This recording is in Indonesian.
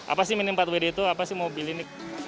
apa sih mini empat wd itu apa sih mobil ini